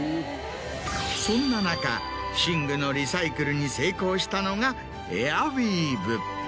そんな中寝具のリサイクルに成功したのがエアウィーヴ。